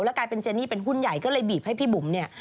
กลายเป็นเจนี่เป็นหุ้นใหญ่ก็เลยบีบให้พี่บุ๋มเนี่ย